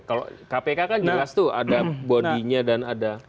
kalau kpk kan jelas tuh ada body nya dan ada apa aturnya